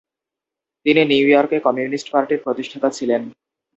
তিনি নিউ ইয়র্কে কমিউনিস্ট পার্টির প্রতিষ্ঠাতা ছিলেন।